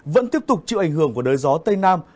vẫn tiếp tục chịu ảnh hưởng của đới gió tây nam